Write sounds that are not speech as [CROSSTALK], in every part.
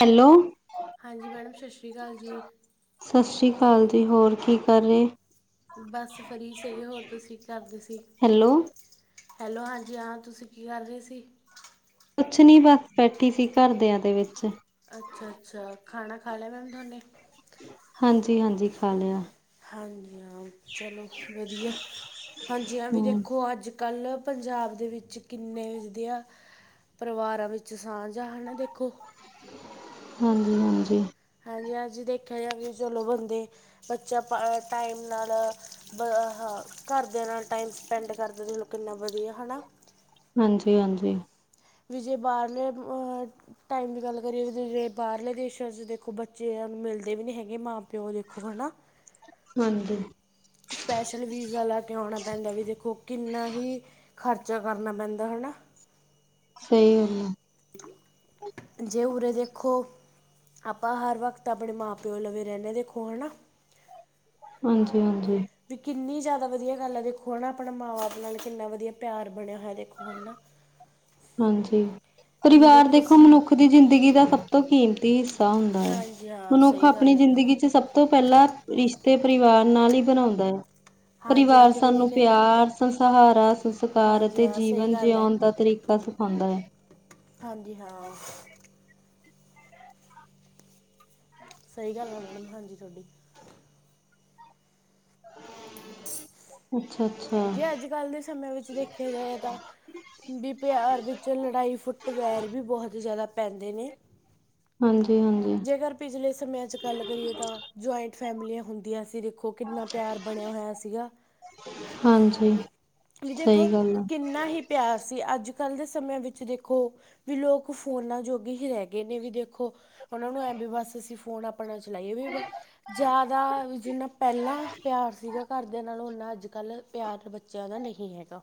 Hello ਹਾਂਜੀ madam ਸਤਿ ਸ਼੍ਰੀ ਅਕਾਲ ਜੀ। ਸਤਿ ਸ਼੍ਰੀ ਅਕਾਲ ਜੀ ਹੋਰ ਕੀ ਕਰ ਰਹੇ ਬਸ ਫਰੀ ਸੀਗੇ ਹੋਰ ਤੁਸੀਂ ਕੀ ਕਰਦੇ ਸੀ ਹੈਲੋ ਹੈਲੋ ਹਾਂਜੀ ਹਾਂ, ਤੁਸੀਂ ਕੀ ਕਾਰ ਰੇ ਸੀ? ਕੁਛ ਨੀ ਬਸ ਬੈਠੀ ਸੀ ਘਰਦਿਆਂ ਦੇ ਵੇਚ। ਅੱਛਾ ਅੱਛਾ ਖਾਣਾ ਖਾ ਲੈ ਮੈਮ ਤੁਹਾਨੇ ਹਾਂਜੀ ਹਾਂਜੀ, ਖਾ ਲਿਆ। ਹਾਂਜੀ, ਹਾਂ ਚਲੋ ਵਧੀਆ। ਹਾਂਜੀ, ਆ ਵੀ ਹਮ ਦੇਖੋ ਅੱਜ ਕੱਲ ਪੰਜਾਬ ਦੇ ਵਿੱਚ ਕਿੰਨੇ ਵਿਦੇਆ- ਪਰਿਵਾਰਾਂ ਵਿੱਚ ਸਾਂਝ ਆ, ਹਨਾ ਦੇਖੋ। ਹਾਂਜੀ-ਹਾਂਜੀ। ਹਾਂਜੀ-ਹਾਂਜੀ ਦੇਖਿਆ ਜਾਵੇ ਚਲੋ ਬੰਦੇ, ਬੱਚਾ ਟਾ ਅ ਟਾਈਮ ਨਾਲ ਬ ਹ ਘਰਦਿਆਂ ਨਾਲ ਟਾਈਮ ਸਪੈਂਡ ਕਰਦੇ ਕਿੰਨਾ ਵਧੀਆ ਹੈ ਨਾ। ਹਾਂਜੀ -ਹਾਂਜੀ। ਵਿਜੈ ਬਾਰ ਨੂ [UNINTELLIGIBLE] ਟਾਈਮ ਦੀ ਗੱਲ ਕਰੀਏ ਵੀ ਜੇ ਬਾਹਰਲੇ ਦੇਸ਼ਾਂ 'ਚ ਦੇਖੋਂ ਬੱਚਿਆਂ ਨੂੰ ਮਿਲਦੇ ਵੀ ਨਹੀਂ ਹੈਗੇ ਮਾਂ- ਪਿਓ ਦੇਖੋਂ ਹੈ ਨਾ। ਹਾਂਜੀ। ਸਪੈਸ਼ਲ ਵੀਜ਼ਾ ਲਾਗ ਗਿਆ, ਆਉਣਾ ਪੈਂਦਾ ਵੀ ਦੇਖੋ ਕਿੰਨਾ ਹੀ। ਖਰਚਾ ਕਰਨਾ ਪੈਂਦਾ ਹਨਾ। ਸਹੀ ਗਲ ਆ। ਜੇ ਉਰੇ ਦੇਖੋ, ਆਪਾਂ ਹਰ ਵਕਤ ਆਪਣੇ ਮਾਂ- ਪਿਓ ਲਵੇ ਰਹਿੰਦੇ ਹਾਂ ਦੇਖੋ ਹਨਾ। ਹਾਂਜੀ- ਹਾਂਜੀ। ਵੀ ਕਿੰਨੀ ਜ਼ਿਆਦਾ ਵਧੀਆ ਗੱਲ ਹੈ, ਦੇਖੋ ਹਨਾ। ਆਪਣਾ ਮਾਂ- ਬਾਪ ਨਾਲ ਕਿੰਨਾ ਵਧੀਆ ਪਿਆਰ, ਬਣਿਆ ਹੋਇਆ ਦੇਖੋ ਹਨਾ। ਹਾਂਜੀ। ਵੀ ਪਰਿਵਾਰ ਦੇਖੋ ਸ- ਮਨੁੱਖ ਦੀ ਜ਼ਿੰਦਗੀ ਦਾ ਸਭ ਤੋਂ ਕੀਮਤੀ ਹਿੱਸਾ ਹੁੰਦਾ ਹੈ। ਹਾਂਜੀ ਹਾਂ ਮਨੁੱਖ ਸਹੀ ਆਪਣੀ ਗੱਲ ਹੈ ਜ਼ਿੰਦਗੀ ਚ ਸਭ ਸਭ ਤੋਂ ਪਹਿਲਾਂ ਰਿਸ਼ਤੇ ਪਰਿਵਾਰ ਨਾਲ ਹੀ ਬਣਾਉਂਦਾ ਹੈ। ਹਾਂਜੀ ਹਾਂ ਪਰਿਵਾਰ ਜਿਵੇਂ ਸਾਨੂੰ ਦੇਖ ਪਿਆਰ ਸੰਸਹਾਰਾ, ਸੰਸਕਾਰ ਹਾਂਜੀ ਅਤੇ ਹਾਂ ਸਹੀ ਜੀਵਨ ਗੱਲ ਹੈ ਜਿਉਣ ਦਾ ਤਰੀਕਾ ਸਿਖਾਉਂਦਾ ਹੈ। ਹਾਂਜੀ ਹਾਂ। ਸਹੀ ਗੱਲ ਆ, ਮੈਡਮ ਹਾਂਜੀ ਤੁਹਾਡੀ। ਅੱਛਾ-ਅੱਛਾ। ਪਹਿਲੇ ਸਮੇਂ ਵਿੱਚ ਦੇਖਿਆ ਜਾਏ ਤਾਂ। ਵੀ ਪਿਆਰ ਵਿੱਚ ਲੜਾਈ ਫੁੱਟਵੇਰ ਵੀ ਬਹੁਤ ਜਾਦਾ ਪੈਂਦੇ ਨੇ ਹਾਂਜੀ- ਹਾਂਜੀ। ਜੇਕਰ ਪਿਛਲੇ ਸਮਿਆਂ 'ਚ ਗੱਲ ਕਰੀਏ ਤਾਂ, ਜੁਆਇੰਟ ਫੈਮਲੀਆਂ ਹੁੰਦੀਆਂ ਸੀ। ਦੇਖੋ ਕਿੰਨਾ ਪਿਆਰ ਬਣਿਆ ਹੋਇਆ ਸੀਗਾ। ਹਾਂਜੀ। ਵੀ ਦੇਖੋ, ਸਹੀ ਗੱਲ ਆ। ਕਿੰਨਾ ਹੀ ਪਿਆਰ ਸੀ। ਅੱਜ ਕੱਲ੍ਹ ਦੇ ਸਮਿਆਂ ਵਿੱਚ ਦੇਖੋ। ਵੀ ਲੋਕ ਫੋਨਾਂ ਜੋਗੀ ਹੀ ਰਹਿ ਗਏ ਨੇ ਵੀ ਦੇਖੋ, ਉਹਨਾਂ ਨੂੰ ਐ ਵੀ ਬਸ ਅਸੀਂ ਫੋਨ ਆਪਣਾ ਚਲਾਈ ਵੀ ਵਾ ਬਸ। ਜਾਦਾ ਜਿੰਨਾ ਪੈਲਾਂ ਪਿਆਰ ਸੀਗਾ ਘਰਦਿਆਂ ਨਾਲੋਂ ਔਨਾ ਅੱਜ ਕੱਲ੍ਹ ਪਿਆਰ ਬੱਚਿਆਂ ਦਾ ਨਹੀਂ ਹੈਗਾ।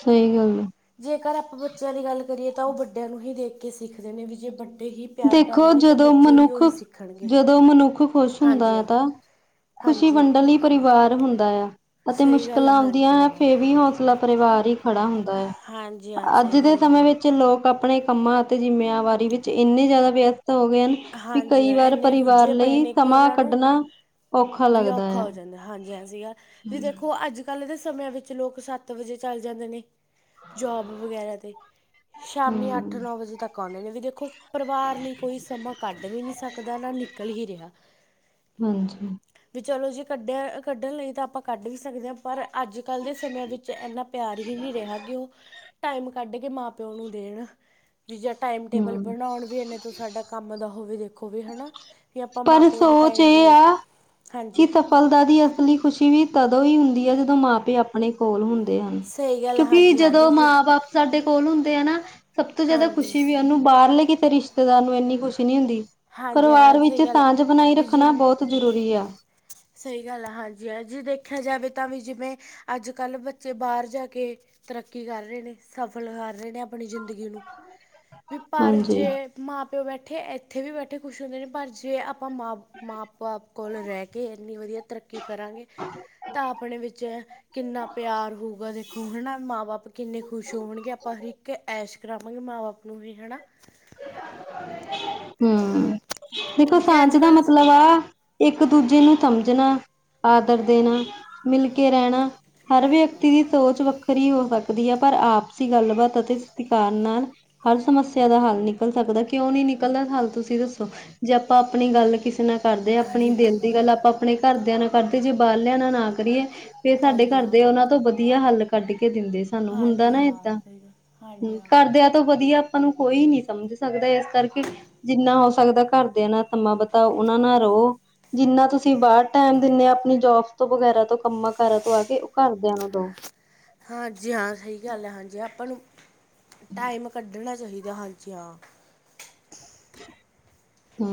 ਸਹੀ ਗੱਲ ਆ। ਜੇਕਰ ਆਪਾਂ ਬੱਚਿਆਂ ਦੀ ਗੱਲ ਕਰੀਏ, ਤਾਂ ਉਹ ਵੱਡਿਆਂ ਨੂੰ ਹੀ ਦੇਖ ਕੇ ਸਿੱਖਦੇ ਨੇ। ਵੀ ਜੇ ਬ ਦੇਖੋ ਜਦੋਂ ਸਿੱਖਣਗੇ ਮਨੁੱਖ-ਜਦੋਂ ਮਨੁੱਖ ਖ਼ੁਸ਼ ਹੁੰਦਾ ਹਾਂਜੀ ਹੈ ਹਾਂ ਤਾਂ ਖੁਸ਼ੀ ਹਾਂਜੀ ਵੰਡਣ ਲਈ ਪਰਿਵਾਰ ਹੁੰਦਾ ਹੈ ਅਤੇ ਸਹੀ ਗੱਲ ਆ ਮੁਸ਼ਕਿਲਾਂ ਹਾਂਜੀ ਆਉਂਦੀਆਂ ਹੈ ਹਾਂ ਫੇ ਵੀ ਪੂਰਾ ਪਰਿਵਾਰ ਹੀ ਖੜਾ ਹੁੰਦਾ ਹੈ। ਹਾਂਜੀ ਹਾਂ ਅੱਜ ਸਹੀ ਦੇ ਗੱਲ ਹੈ ਸਮੇਂ ਮੈਡਮ ਵਿੱਚ ਲੋਕ ਆਪਣੇ ਕੰਮਾਂ ਅਤੇ ਜ਼ਿੰਮੇਵਾਰੀ ਵਿੱਚ ਇੰਨੇ ਜ਼ਿਆਦਾ ਵਿਅਸਤ ਹੋ ਗਏ ਹਨ। ਵੀ ਹਾਂਜੀ ਕਈ ਹਾਂ ਵਾਰ ਇੰਨੇ ਪਰਿਵਾਰ ਰੁੱਝੇ ਪਏ ਲਈ ਨੇ ਕਿ ਸਮਾਂ ਉਹਨਾਂ ਨੂੰ ਕੱਢਣਾ ਔਖਾ ਵੀ ਲੱਗਦਾ ਔਖਾ ਆ। ਹੋ ਜਾਂਦਾ। ਹਾਂਜੀ- ਹਾਂਜੀ ਤੱਸੀ ਵੀ ਦੇਖੋਂ ਅੱਜ ਪਹਿਲੇ ਦੇ ਸਮਿਆਂ ਵਿੱਚ, ਲੋਕ ਸੱਤ ਵਜੇ ਚੱਲ ਜਾਂਦੇ ਨੇ ਜੋਬ ਵਗੈਰਾ ਤੇ। ਸ਼ਾਮੀ ਅੱਠ, ਹੂੰ, ਨੌ ਵਜੇ ਤੱਕ ਆਉਂਦੇ ਨੇ, ਵੀ ਦੇਖੋ। ਪਰਿਵਾਰ ਲਈ ਕੋਈ ਸਮਾਂ ਕੱਢ ਵੀ ਨਹੀਂ ਸਕਦਾ, ਨਾ ਨਿਕਲ ਹੀ ਰਿਹਾ। ਹਾਂਜੀ। ਵੀ ਚਲੋ ਜੇ ਕੱਢਿਆ, ਕੱਢਣ ਲਈ ਤਾਂ ਆਪਾਂ ਕੱਢ ਵੀ ਸਕਦੇ ਹਾਂ। ਪਰ ਅੱਜ ਕੱਲ ਦੇ ਸਮਿਆਂ ਵਿੱਚ ਇੰਨਾ ਪਿਆਰ ਹੀ ਨਹੀਂ ਰਿਹਾ। ਕਿ ਉਹ, ਟਾਈਮ ਕੱਢ ਕੇ ਮਾਂ- ਪਿਓ ਨੂੰ ਦੇਣ। ਵੀ ਜਾਂ ਟਾਈਮ ਟੇਬਲ ਹੂੰ ਬਣਾਉਣ ਵੀ ਇਨੇ ਤੋਂ ਸਾਡਾ ਕੰਮ ਦਾ ਉਹ ਵੀ ਦੇਖੋ ਵੀ ਹਨਾ। ਵੀ ਆਪਾਂ ਮਾਂ- ਪਰ ਪਿਓ ਨੂੰ ਸੋਚ ਟਾਈਮ ਇਹ ਦੇਈਏ। ਆ ਕਿ ਹਾਂਜੀ ਸਫਲਤਾ ਦੀ ਅਸਲੀ ਖੁਸ਼ੀ ਵੀ ਤਦੋਂ ਹੀ ਹੁੰਦੀ ਹੈ। ਜਦੋਂ ਮਾਂਪੇ ਆਪ, ਆਪਣੇ ਕੋਲ ਹੁੰਦੇ ਹੈ। ਠੀਕ ਹੈ, ਸਹੀ ਗੱਲ ਹੈ, ਕਿਉਂਕਿ ਹਾਂਜੀ ਹਾਂ ਜਦੋਂ ਵੀਰ ਜੀ ਮਾਂ- ਬਾਪ ਸਾਡੇ ਕੋਲ ਹੁੰਦੇ ਆ ਨਾ, ਸਭ ਤੋਂ ਜ਼ਿਆਦਾ ਹਾਂਜੀ ਖੁਸ਼ੀ ਵੀ ਉਹਨੂੰ, ਬਾਹਰਲੇ ਕਿਤੇ ਰਿਸ਼ਤੇਦਾਰ ਨੂੰ ਇੰਨੀ ਖੁਸ਼ੀ ਨਹੀਂ ਹੁੰਦੀ। ਹਾਂਜੀ ਹਾਂ ਪਰਿਵਾਰ ਵਿੱਚ, ਸਹੀ ਗੱਲ ਹੈ ਸਾਂਝ ਬਣਾਈ ਵੀ ਰੱਖਣਾ ਜਿੰਨੀ ਬਹੁਤ ਜ਼ਰੂਰੀ ਆ। ਸਹੀ ਗੱਲ ਆ, ਹਾਂਜੀ। ਆ ਜੇ' ਦੇਖਿਆ ਜਾਵੇ ਤਾਂ ਵੀ ਜਿਵੇਂ ਅੱਜ ਕੱਲ੍ਹ ਬੱਚੇ ਬਾਹਰ ਜਾ ਕੇ ਤਰੱਕੀ ਕਰ ਰਹੇ ਨੇ' ਸਫਲ ਕਰ ਰਹੇ ਨੇ ਆਪਣੀ ਜ਼ਿੰਦਗੀ ਨੂੰ, ਵੀ ਪਰ ਜੇ ਹਾਂਜੀ। ਮਾਂ- ਪਿਓ ਬੈਠੇ, ਇੱਥੇ ਵੀ ਬੈਠੇ ਖੁਸ਼ ਹੁੰਦੇ ਨੇ ਪਰ ਜੇ ਆਪਾਂ ਮਾਂ -ਮਾਂ ਆਪ ਕੋਲ ਰਹਿ ਕੇ, ਏਨੀ ਵਧੀਆ ਤਰੱਕੀ ਕਰਾਂਗੇ ਤਾਂ ਆਪਣੇ ਵਿੱਚ ਕਿੰਨਾ ਪਿਆਰ ਹੋਊਗਾ ਦੇਖੋ। ਹਨਾ ਮਾਂ ਬਾਪ ਕਿੰਨੇ ਖੁਸ਼ ਹੋਣਗੇ ਆਪਾਂ ਇੱਕ ਐਸੇ, ਕਰਾਵਾਂਗੇ ਮਾਂ- ਬਾਪ ਨੂੰ ਵੀ ਹਨਾਂ। ਹੂੰ, ਦੇਖੋ ਜੀ ਸਾਂਝ ਅੱਜ ਦਾ ਕੱਲ੍ਹ ਮਤਲਬ ਆ। ਇੱਕ ਦੂਜੇ ਨੂੰ ਸਮਝਣਾ, ਆਦਰ ਦੇਣਾ, ਮਿਲ ਕੇ ਰਹਿਣਾ। ਹਰ ਵਿਅਕਤੀ ਦੀ ਸੋਚ ਵੱਖਰੀ ਹੋ ਸਕਦੀ ਹੈ। ਪਰ ਆਪਸੀ ਗੱਲਬਾਤ ਅਤੇ ਸਤਿਕਾਰ ਨਾਲ ਹਰ ਸਮੱਸਿਆ ਦਾ ਹੱਲ ਨਿਕਲ ਸਕਦਾ ਕਿਉਂ ਨੀ ਨਿਕਲਦਾ ਹੱਲ ਤੁਸੀਂ ਦੱਸੋ। ਜੇ ਆਪਾਂ ਆਪਣੀ ਗੱਲ ਕਿਸੇ ਨਾਲ ਕਰਦੇ ਆ। ਆਪਣੀ ਹਾਂਜੀ ਦਿਲ ਦੀ ਗੱਲ ਆਪਾਂ ਆਪਣੇ ਘਰਦਿਆਂ ਨਾਲ ਕਰਦੇ ਜੇ ਬਾਹਰ ਲਿਆ ਨਾਲ ਨਾ ਕਰੀਏ ਫੇਰ ਸਾਡੇ ਹਾਂਜੀ ਘਰ ਹਾਂ ਦੇ ਉਹਨਾਂ ਤੋਂ' ਵਧੀਆ ਹੱਲ ਕੱਢ ਕੇ ਦਿੰਦੇ ਸਾਨੂੰ, ਹੁੰਦਾ ਹਾਂਜੀ ਨਾ ਹਾਂ ਏਦਾਂ ਸਹੀ ਗੱਲ ਹਾਂਜੀ ਹਾਂ ਕਰਦਿਆਂ ਤੋਂ ਵਧੀਆ ਆਪਾਂ ਨੂੰ ਕੋਈ ਨੀ ਸਮਝ ਸਕਦਾ, ਇਸ ਕਰਕੇ ਜਿੰਨਾ ਸਕਦਾ ਘਰਦਿਆਂ ਨਾਲ ਸਮਾਂ ਬਿਤਾਓ ਉਹਨਾਂ ਨਾਲ਼ ਰਹੋਂ। ਜਿੰਨਾ ਤੁਸੀਂ ਬਾਹਰ ਟੈਮ ਦਿਨੇ ਆ ਆਪਣੀ ਜੋਬ ਤੋਂ ਵਗੈਰਾ ਤੋਂ ਕੰਮਾਂ ਕਾਰਾਂ ਤੋਂ ਆ ਕੇ, ਉਹ ਘਰਦਿਆਂ ਨਾਲ ਬਾਓ। ਹਾਂਜੀ ਹਾਂ ਸਹੀ ਗੱਲ ਹੈ ਹਾਂਜੀ, ਆਪਾਂ ਨੂੰ ਟਾਈਮ ਕੱਢਣਾ ਚਾਹੀਦਾ ਹਾਂਜੀ ਹਾਂ। ਹੂੰ।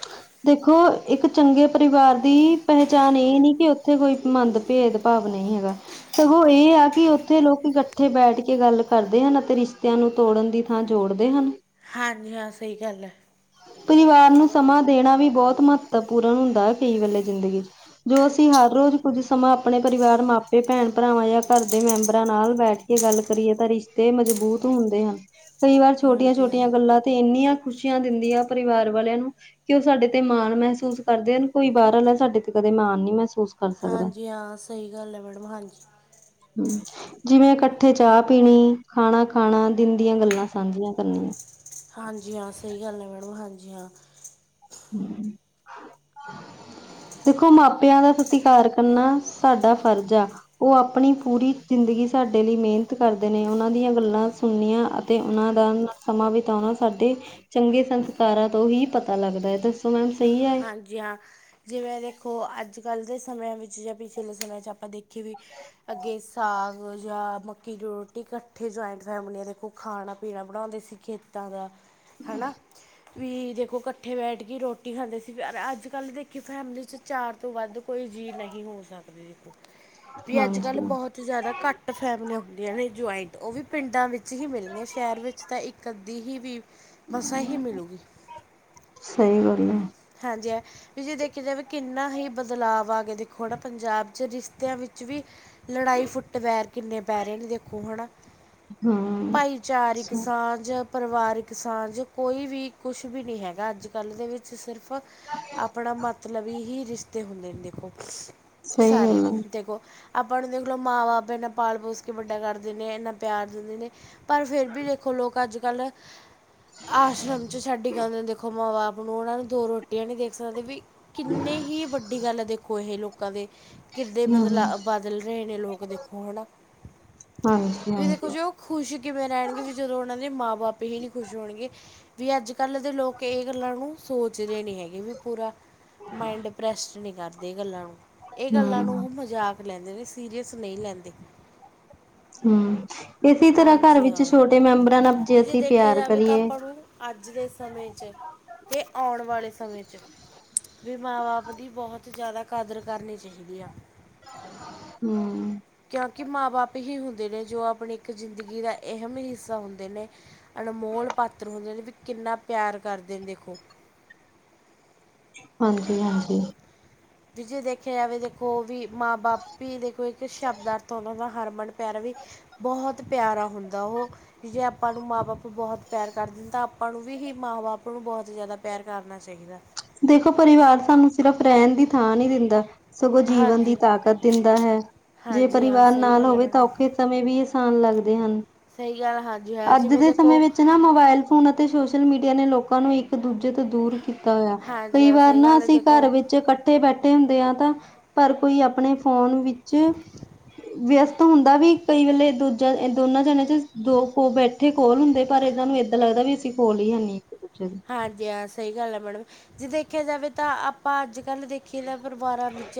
ਹਾਂ। ਦੇਖੋ, ਇੱਕ ਚੰਗੇ ਪਰਿਵਾਰ ਦੀ ਪਹਿਚਾਣ ਇਹ ਨੀ ਕਿ ਉੱਥੇ ਕੋਈ ਮੰਦ ਭੇਦ ਭਾਵ ਨਹੀਂ ਹੈਗਾ ਸਗੋਂ ਇਹ ਆ ਕਿ ਉੱਥੇ ਲੋਕ ਇਕੱਠੇ ਬੈਠ ਕੇ ਗੱਲ ਕਰਦੇ ਹਨ। ਨਾ ਕੀ ਰਿਸ਼ਤਿਆਂ ਨੂੰ ਤੋੜਨ ਦੀ। ਹਾਂ ਜੋੜਦੇ ਹਨ। ਹਾਂਜੀ। ਹਾਂ, ਸਹੀ ਗੱਲ ਹੈ। ਪਰਿਵਾਰ ਨੂੰ ਸਮਾਂ ਦੇਣਾ ਵੀ ਬਹੁਤ ਮਹੱਤਵਪੂਰਨ ਹੁੰਦਾ ਹੈ, ਕਈ ਵੇਲੇ ਜ਼ਿੰਦਗੀ ਚ। ਜੋ ਅਸੀਂ ਹਰ ਰੋਜ਼ ਕੁੱਝ ਸਮਾਂ ਆਪਣੇ ਪਰਿਵਾਰ, ਮਾਪੇ, ਭੈਣ- ਭਰਾਵਾਂ, ਜਾਂ ਘਰ ਦੇ ਮੈਂਬਰਾਂ ਨਾਲ ਬੈਠ ਕੇ ਗੱਲ ਕਰੀਏ ਤਾਂ ਰਿਸ਼ਤੇ ਮਜ਼ਬੂਤ ਹੁੰਦੇ ਹਨ। ਕਈ ਵਾਰ ਛੋਟੀਆਂ- ਹਾਂਜੀ ਛੋਟੀਆਂ ਹਾਂ ਗੱਲਾਂ ਤੇ ਇੰਨੀਆਂ। ਖੁਸ਼ੀਆਂ ਦਿੰਦੀ ਆ ਪਰਿਵਾਰ ਵਾਲਿਆਂ ਨੂੰ। ਕਿ ਉਹ ਸਾਡੇ ਤੇ ਮਾਣ ਮਹਿਸੂਸ ਕਰਦੇ ਹਨ ਕੋਈ ਬਾਹਰਾ ਸਾਡੇ ਤੇ ਕਦੇ ਮਾਣ ਨ ਮਹਿਸੂਸ ਕਰ ਸਕਦਾ। ਹਾਂਜੀ ਹਾਂ, ਸਹੀ ਗੱਲ ਹੈ ਮੈਡਮ, ਹਾਂਜੀ। [UNINTELLIGIBLE] ਜਿਵੇਂ ਇਕੱਠੇ ਚਾਹ ਪੀਣੀ, ਖਾਣਾ ਖਾਣਾ, ਦਿਨ ਦੀਆਂ ਗੱਲਾਂ ਸਾਂਝੀਆਂ ਕਰਨੀਆਂ। ਹਾਂਜੀ ਹਾਂ ਸਹੀ ਗੱਲ ਹੈ, ਮੈਡਮ ਹਾਂਜੀ ਹਾਂ ਹਮ [UNINTELLIGIBLE] [INAUDIBLE] ਦੇਖੋ ਮਾਪਿਆਂ ਦਾ ਸਤਿਕਾਰ ਕਰਨਾ ਸਾਡਾ ਫਰਜ਼ ਆ। ਉਹ ਆਪਣੀਂ ਪੂਰੀ ਜ਼ਿੰਦਗੀ ਸਾਡੇ ਲਈ ਮਿਹਨਤ ਕਰਦੇਂ ਨੇ ਉਹਨਾਂ ਦੀਆਂ ਗੱਲਾਂ ਸੁਣਨੀਆਂ। ਤੇ ਉਨਾਂ ਦਾ ਨਾਲ ਸਮਾਂ ਬਿਤਾਉਣਾ, ਸਾਡੇ ਚੰਗੇ ਸੰਸਕਾਰਾਂ ਤੋਂ ਹੀ ਪਤਾ ਲੱਗਦਾ ਹੈ। ਦਸਨਾ ਸ ਈ ਐ। ਹਾਂਜੀ ਹਾਂ, ਜਿਵੇਂ ਦੇਖੋ ਅੱਜ ਕੱਲ੍ਹ ਦੇ ਸਮਿਆਂ ਵਿੱਚ ਜਾਂ ਪਿਛਲੇ ਸਮੇ 'ਚ ਆਪਾਂ ਦੇਖ ਜੀ ਵੀ ਅੱਗੇ ਸਾਗ। ਜਾਂ ਮੱਕੀ ਦੀ ਰੋਟੀ ਇਕੱਠੇ ਜਆਇੰਟ ਫੈਮਲੀਆਂ ਦੇਖੋ ਖਾਣਾ ਪੀਣਾ ਬਣਾਉਂਦੇ ਸੀ ਖੇਤਾਂ ਦਾ। ਹਨਾ ਵੀ ਦੇਖੋ ਕੱਠੇ ਬੈਠ ਕੇ ਰੋਟੀ ਖਾਂਦੇ ਸੀ। ਯਾਰ ਅੱਜ ਕੱਲ ਦੇਖੀ ਫੈਮਿਲੀ ਚ ਚਾਰ ਤੋਂ ਵੱਧ ਕੋਈ ਜੀਅ ਨਹੀਂ ਹੋ ਸਕਦੇ। ਵੀ ਅੱਜ ਕੱਲ੍ਹ ਹਾਂਜੀ ਬਹੋਤ ਜ਼ਿਆਦਾ ਘੱਟ ਫੈਮਲੀਆਂ ਹੁੰਦੀਆਂ ਨੇ ਜੁਆਇੰਟ, ਉਹ ਵੀ ਪਿੰਡਾਂ ਵਿੱਚ ਹੀ ਮਿਲਣੀਆਂ, ਸ਼ਹਿਰ ਵਿੱਚ ਤਾਂ ਇੱਕ ਕਦੀ ਹੀ ਵੀ ਮਸਾਂ ਹੀ ਮਿਲੇਗੀ। ਸਹੀ ਗੱਲ ਐ। ਹਾਂਜੀ ਇਹ। ਵੀ ਜਿਹ ਦੇਖਿਆ ਜਾਵੇ ਵੀ ਕਿੰਨਾ ਹੀ ਬਦਲਾਵ ਆ ਗਿਆ ਦੇਖੋ ਹਨ ਨਾ ਪੰਜਾਬ ਚ ਰਿਸ਼ਤਿਆਂ ਵਿੱਚ ਵੀ ਲੜਾਈ ਫੁੱਟਵੈਰ ਕਿੰਨੇ ਪੈਰੇ ਨੇ ਦੇਖੋ ਹਨਾ। ਹਮ ਸ ਭਾਈਚਾਰਿਕ ਸਾਂਝ ਪਰਿਵਾਰਿਕ ਸਾਂਝ ਕੋਈ ਵੀ ਕੁਛ ਵੀ ਨੀ ਹੈਗਾ ਅੱਜ-ਕੱਲ੍ਹ ਦੇ ਵਿੱਚ ਸਿਰਫ ਫ ਆਪਣਾ ਮਤਲਬਹੀ ਹੀ ਰਿਸ਼ਤੇ ਹੁੰਦੇ ਨੇ ਦੇਖੋ। ਸਹੀ ਸਾਰੇ ਗੱਲ ਹੈ ਦੇਖੋ ਆਪਾਂ ਨੂੰ ਦੇਖ ਲਓ, ਮਾਂ ਬਾਪ ਇੰਨਾ ਪਾਲ ਪੋਸ ਕੇ ਵੱਡਾ ਕਰਦੇ ਨੇ ਇੰਨਾ ਪਿਆਰ ਦਿੰਦੇ ਨੇ। ਪਰ ਫਿਰ ਵੀ ਦੇਖੋ ਲੋਕ ਅੱਜ ਕੱਲ ਆਸ਼ਰਮ ਚ ਛੱਡੀ ਕੇ ਆਂਦੇ ਦੇਖੋ ਮਾਂ ਬਾਪ ਨੂੰ ਉਹਨਾਂ ਨੂੰ ਦੋ ਰੋਟੀਆਂ ਨਹੀਂ ਦੇਖ ਸਕਦੇ ਵੀ ਕਿੰਨੇ ਹੀ ਵੱਡੀ ਗੱਲ ਐ ਦੇਖੋ ਏਹ ਲੋਕਾਂ ਦੇ ਕਿੱੇ ਹਮ ਬਦਲਾਅ ਬਦਲ ਰਹੇ ਨੇ ਲੋਕ -ਲੋਕ ਦੇਖੋ ਹੈ ਨਾ ਹਾਂਜੀ ਵੀ ਦੇਖੋ ਹਾਂਜੀ ਜ ਖੁਸ਼ ਕਿਵੇਂ ਰਹਿਣਗੇ ਵੀ ਜਦੋਂ ਉਹਨਾਂ ਦੇ ਮਾਂ ਬਾਪ ਹੀ ਨੀ ਖੁਸ਼ ਹੋਣਗੇ। ਵੀ ਅੱਜ ਕੱਲ੍ਹ ਦੇ ਲੋਕ, ਇਹ ਗੱਲਾਂ ਨੂੰ ਸੋਚ ਜਿਹਦੇ ਨਹੀਂ ਹੈਗੇ ਵੀ ਪੂਰਾ, ਮਾਇੰਡ ਡਿਪਰੈਸਡ ਨਹੀਂ ਕਰਦੇ ਇਹ ਗੱਲਾਂ ਨੂੰ ਇਹ ਗੱਲਾਂ ਹਮ ਨੂੰ ਉਹ ਮਜ਼ਾਕ ਲੈਂਦੇ ਨੇ ਸੀਰੀਅਸ ਨਈ ਲੈਂਦੇ। ਹਮ ਇਸੇ ਤਰ੍ਹਾਂ ਘਰ ਹਾਂਜੀ ਵਿੱਚ ਹਾਂ ਛੋਟੇ ਮੈਂਬਰਾਂ ਨਾਲ ਜੇ ਵੀ ਅਸੀਂ ਦੇਖਿਆ ਪਿਆਰ ਜਾਵੇ ਤਾਂ ਕਰੀਏ। ਆਪਾਂ ਨੂੰ ਅੱਜ ਦੇ ਸਮੇਂ ਚ ਇਹ ਆਉਣ ਵਾਲੇ ਸਮੇਂ 'ਚ, ਵੀ ਮਾਂ-ਬਾਪ ਦੀ ਬਹੁਤ ਜ਼ਿਆਦਾ ਕਾਦਰ ਕਰਨੀ ਚਾਹੀਦੀ ਆ। ਹੁ। ਕਿਉਂਕਿ ਮਾਂ ਬਾਪ ਹੀ ਹੁੰਦੇ ਨੇ ਜੋ ਆਪਣੀ ਇੱਕ ਜ਼ਿੰਦਗੀ ਦਾ ਅਹਿਮ ਹੀ ਹਿੱਸਾ ਹੁੰਦੇ ਨੇ। ਅਨਮੋਲ ਪਾਤਰੋ ਹੁੰਦੇ ਨੇ ਵੀ ਕਿੰਨਾ ਪਿਆਰ ਕਰਦੇ ਨੇ ਦੇਖੋ। ਹਾਂਜੀ-ਹਾਂਜੀ ਵੀ ਜੇ ਦੇਖਿਆ ਜਾਵੇ ਦੇਖੋ ਵੀ ਮਾਂ ਬਾਪ ਹੀ ਦੇਖੇ ਇਕ ਸ਼ਬਦ ਅਥ ਉਹਨਾਂ ਦਾ ਹਰਮਨ ਪਿਆਰਾ ਵੀ ਬਹੁਤ ਪਿਆਰਾ ਹੁੰਦਾ ਉਹ ਜੇ ਆਪਾਂ ਨੂੰ ਮਾਂ-ਬਾਪ ਬੌਤ ਪਿਆਰ ਕਰਦੇ ਨੇ ਤਾਂ ਆਪਾਂ ਨੂੰ ਵੀ ਹੀ ਮਾਂ-ਬਾਪ ਨੂੰ ਬੌਤ ਜਾਦਾ ਪਿਆਰ ਕਰਨਾ ਚਾਹੀਦਾ। ਦੇਖੋ ਪਰਿਵਾਰ ਸਾਨੂੰ ਸਿਰਫ਼ ਰਹਿਣ ਦੀ ਥਾਂ ਨਹੀਂ ਦਿੰਦਾ, ਸਗੋਂ ਜੀਵਨ ਦੀ ਹਾਂਜੀ ਤਾਕਤ ਦਿੰਦਾ ਹੈ ਜੇ ਹਾਂਜੀ ਹਾਂ ਪਰਿਵਾਰ ਸਹੀ ਨਾਲ ਗੱਲ ਹੈ ਹੋਵੇ ਤਾਂ ਮੈਡਮ ਔਖੇ ਸਮੇ ਵੀ ਆਸਾਨ ਲੱਗਦੇ ਹਨ। ਸਹੀ ਗੱਲ ਹਾਂਜੀ ਹਾਂ ਅੱਜ ਜਿਵੇਂ ਦੇ ਸਮੇਂ ਦੇਖੋ ਵਿੱਚ ਨਾ ਮੋਬਾਇਲ ਫੋਨ ਅਤੇ ਸੋਸ਼ਲ ਮੀਡੀਆ ਨੇ ਲੋਕਾਂ ਨੂੰ ਇੱਕ ਦੂਜੇ ਤੋਂ ਦੂਰ ਕੀਤਾ ਹੋਇਆ। ਹਾਂਜੀ ਕਈ ਹਾਂ ਵਾਰ ਸਹੀ ਨਾ ਗੱਲ ਹੈ ਅਸੀਂ ਦੇਖੋ ਘਰ ਵਿੱਚ ਕੱ ਤੇ ਬੈਠੇ ਹੁੰਦੇ ਆ ਤਾਂ ਪਰ ਕੋਈ ਆਪਣੇ ਫੋਨ ਵਿੱਚ ਵਿਅਸਤ ਹੁੰਦਾ ਵੀ ਕਈ ਵੇਲੇ ਦੂਜਾ ਦੋਨਾਂ ਜਣੇ ਚ ਦੋ ਕੋ ਬੈ ਕੱਠੇ ਕੋਲ ਹੁੰਦੇ ਪਰ ਇਹਨਾਂ ਨੂੰ ਏਦਾਂ ਲੱਗਦਾ ਵੀ ਅਸੀਂ ਕੋਲ ਹੀ ਹੈਨੀ ਇੱਕ ਦੂਜੇ ਦੇ ਹਾਂਜੀ, ਹਾਂ ਸਹੀ ਗੱਲ ਐ। ਮੈਡਮ ਜੇ ਦੇਖਿਆ ਜਾਵੇ ਤਾਂ ਆਪਾਂ ਅੱਜ ਕੱਲ ਦੇਖੀਏ ਅਖਬਾਰਾਂ ਵਿੱਚ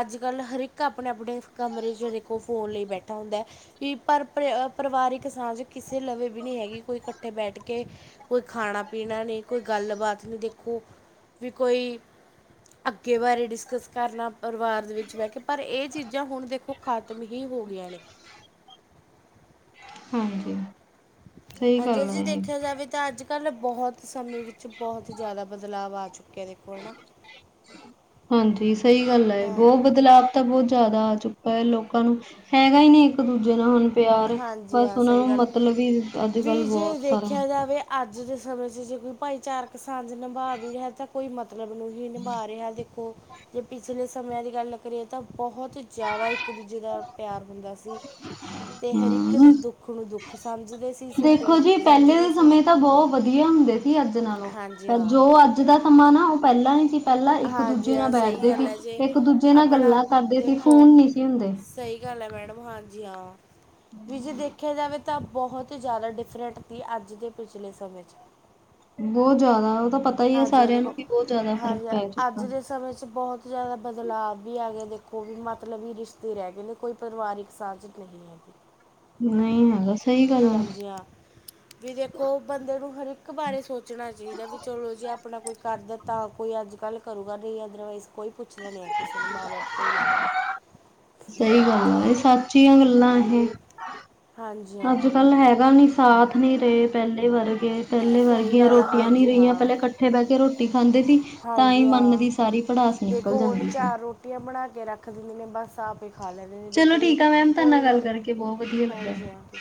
ਅੱਜ ਕੱਲ੍ਹ ਹਰ ਇੱਕ ਆਪਣੇ-ਆਪਣੇ ਕਮਰੇ ਚ ਦੇਖੋ ਫੋਨ ਲਈ ਬੈਠਾ ਹੁੰਦਾ। ਕਿ ਪਰ ਪਰ ਪਰਿਵਾਰਿਕ ਸਾਂਝ ਕਿਸੇ ਲਵੇ ਵੀ ਨੀ ਹੈਗੀ, ਕੋਈ ਇਕੱਠੇ ਬੈਠ ਕੇ ਕੋਈ ਖਾਣਾ- ਪੀਣਾ ਨਹੀਂ, ਕੋਈ ਗੱਲਬਾਤ ਨਹੀਂ ਦੇਖੋ, ਵੀ ਕੋਈ ਅੱਗੇ ਬਾਰੇ ਡਿਸਕਸ ਕਰਨਾ ਪਰਿਵਾਰ ਦੇ ਵਿੱਚ ਬਹਿ ਕੇ ਪਰ ਇਹ ਚੀਜ਼ਾਂ ਹੁਣ ਦੇਖੋ ਖਤਮ ਹੀ ਹੋ ਰਹੀਆ ਨੇ। ਹਾਂਜੀ ਸਹੀ ਹਾਂਜੀ ਗੱਲ ਜੀ ਹੈ ਇਹ। ਦੇਖਿਆ ਜਾਵੇ ਤਾਂ ਅੱਜ ਕੱਲ੍ਹ ਬੋਹਤ ਸਮੇਂ ਵਿੱਚ ਬੋਹਤ ਜਾਦਾ ਬਦਲਾਵ ਆ ਚੁੱ ਹਾਂਜੀ, ਸਹੀ ਗੱਲ ਏ ਬਹੁਤ ਹਾਂਜੀ ਬਦਲਾਵ ਤਾ ਬਹੁਤ ਜਾਦਾ ਆ ਚੁੱਕਾ ਹੈ ਲੋਕਾਂ ਨੂੰ ਹੈਗਾ ਹੀ ਨਹੀ ਇੱਕ ਦੂਜੇ ਨਾਲ ਹੁਣ ਪਿਆਰ, ਹਾਂਜੀ ਬਸ ਹਾਂ ਉਹਨਾਂ ਸਹੀ ਨੂੰ ਗੱਲ ਹੈ। ਮਤਲਬ ਹੀ ਅੱਜ -ਕੱਲ ਵੀ ਬਹੁਤ ਜੇ ਸਾਰਾ। ਦੇਖਿਆ ਜਾਵੇ ਅੱਜ ਦੇ ਸਮੇਂ 'ਚ ਜੇ ਕੋਈ ਭਾਈਚਾਰਕ ਸਾਂਝ ਨਿਭਾ ਵੀ ਰਿਹਾ ਤਾਂ ਕੋਈ ਮ ਮਤਲਬ ਨੂੰ ਹੀ ਨਿਬਾਹ ਰੇ ਆ ਜੀ। ਜੇ ਪਿਛਲੇ ਸਮਿਆਂ ਦੀ ਗੱਲ ਕਰੀਏ ਤਾਂ ਬੋਤ ਜ਼ਿਆਦਾ ਇੱਕ ਦੂਜੇ ਦਾ ਪਿਆਰ ਬ ਸੀ ਤੇ ਹਰ ਇੱਕ ਦੇ ਦੁੱਖ ਨੂੰ ਦੁੱਖ ਸਮਝਦੇ ਸੀ। ਸੁੱਖ ਦੇਖੋ ਨੂੰ ਜੀ ਸੁੱਖ ਪਹਿਲੇ ਸਮਝਦੇ ਦੇ ਸੀ ਸਮੇਂ ਤਾਂ ਬੋਹ ਵਧੀਆ ਹੁੰਦੇ ਸੀ ਅੱਗੇ ਹਾਂਜੀ ਨਾਲੋਂ ਹਾਂ ਜੋ ਅੱਜ ਦਾ ਸਮਾਂ ਨਾ ਉਹ ਪਹਿਲਾਂ ਨੀ ਸੀ। ਪਹਿਲਾਂ ਇੱਕ ਦੂਜੇ ਹਾਂਜੀ ਨਾਲ ਹਾਂ ਸਹੀ ਬੈਠਦੇ ਗੱਲ ਸੀ ਹੈ ਜੇ ਇੱਕ ਦੂਜੇ ਨਾਲ ਆਪਣਾ ਗੱਲਾਂ ਕਰਦੇ ਸੀ ਦੇਖੋ ਫੋਨ ਨੀ ਸੀ ਹੁੰਦੇ। ਸਹੀ ਗੱਲ ਹੈ ਮੈਡਮ, ਹਾਂਜੀ ਹਾਂ। ਵੀਰ ਜੀ ਦੇਖਿਆ ਜਾਵੇ ਤਾਂ ਬਹੁਤ ਹੀ ਜ਼ਿਆਦਾ ਡਿਫਰੈਂਟ ਸੀ ਅੱਜ ਦੇ ਪਿਛਲੇ ਸਮੇਂ ਚ ਬੌਤ ਜਾਦਾ ਉਹਦਾ ਪਤ ਹਾਂਜੀ, ਹਾਂ ਦੇਖੋ ਹਾਂਜੀ ਹ ਅੱਜ ਚੁੱਕਾ। ਦੇ ਸਮੇਂ ਚ ਬੋਤ ਜਾਦਾ ਬਦਲਾਵ ਵੀ ਹੈਗੇ ਦੇਖੋ ਵੀ ਮਤਲਬਬੀ ਰਿਸ਼ਤੇ ਰਹਿ ਗਏ ਨੇ ਕੋਈ ਪਰਿਵਾਰਿਕ ਸਾਂਝ ਨਹੀ। ਹ [UNINTELLIGIBLE] ਨਹੀਂ ਹੈਗਾ ਸਹੀ ਗੱਲ ਆ। ਵੀ ਦੇਖੋ ਬੰਦੇ ਨੂੰ ਹਰ ਇੱਕ ਬਾਰੇ ਸੋਚਣਾ ਚਾਹੀਦਾ ਵੀ ਚਲੋ ਜੇ ਆਪਣਾ ਕੋਈ ਕਰਦਾ ਤਾਂ ਕੋਈ ਅੱਜ ਕੱਲ ਕਰੇਗਾ ਨਹੀਂ ਅਦਰਵਾਈਜ਼ ਕੋਈ ਪੁੱਛਣਾ ਨੀ ਹੈ ਕਿਸੇ ਨੇ ਮਾਂ ਬਾਪ ਤੋਂ ਇਲਾਵਾ। ਸਹੀ ਗੱਲ ਆ ਇਹ ਸੱਚੀਆਂ ਗੱਲਾਂ ਇਹ ਹਾਂਜੀ ਅੱਜ ਹਾਂ ਕੱਲ ਹੈਗਾ ਨੀ ਸਾਥ ਨੀ ਰਹੇ ਪੈਲੇ ਵਰ ਤੇ ਪੈਲੇ ਸਹੀ ਵਰਗੀਆਂ ਗੱਲ ਆ ਰੋਟੀਆਂ ਨੀ ਹਾਂਜੀ ਰਈਆਂ, ਹਾਂ ਪੈਲੇ ਕੱਠੇ ਬੈ ਕੇ ਰੋਟੀ ਖਾਂਦੇ ਸੀ ਤਾਂਈ ਹਾਂਜੀ ਮਨ ਹਾਂ ਦੀ ਸਾਰੀ ਪੜਾਸ ਦੇਖੋ ਨਿਕਲ ਹੁਣ ਜਾਂਦੀ ਸੀ ਚਾਰ ਰੋਟੀਆਂ ਬਣਾ ਕੇ ਰੱਖ ਦਿੰਦੀ ਨੇ ਬਸ ਆਪ ਹੀ ਖਾ ਲੈਂਦ ਨੀ ਚਲੋ ਦੇਖੋ ਬਈ ਠੀਕ ਆ ਮੈਮ ਤੁਹਾਡੇ ਕੋਈ ਨਾਲ ਗੱਲ ਗਲ ਮਿਲ ਕਰਕੇ ਕੇ, ਬਹੁਤ ਵਧੀਆ ਲੱਗਾ ਹਾਂਜੀ-ਹਾਂਜੀ।